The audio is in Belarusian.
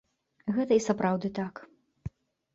Гэта і сапраўды так.